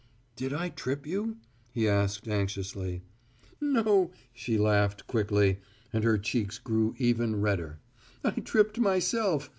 "Did I trip you?" he asked anxiously. "No," she laughed, quickly, and her cheeks grew even redder. "I tripped myself.